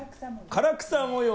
唐草模様。